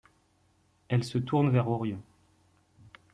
elle se tourne vers Orion.